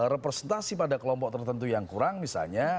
representasi pada kelompok tertentu yang kurang misalnya